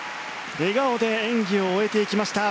笑顔で演技を終えていきました。